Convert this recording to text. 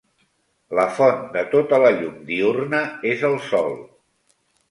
La font de tota la llum diürna és el sol.